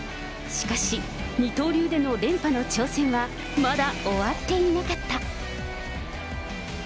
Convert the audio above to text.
しかし、二刀流での連覇の挑戦はまだ終わっていなかった。